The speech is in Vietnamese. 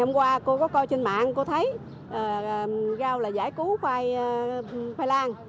hôm qua cô có coi trên mạng cô thấy rau là giải cứu khoai lang